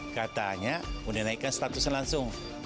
katanya udah naikkan statusnya langsung